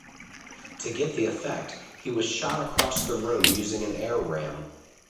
To get the effect, he was shot across the room using an air ram.